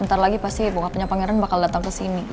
ntar lagi pasti bokapnya pangeran bakal datang kesini